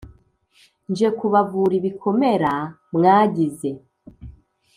nje kubavura ibikomera mwagize